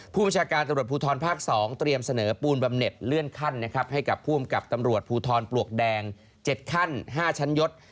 ประชาการตำรวจภูทรภาค๒เตรียมเสนอปูนบำเน็ตเลื่อนขั้นนะครับให้กับผู้อำกับตำรวจภูทรปลวกแดง๗ขั้น๕ชั้นยศ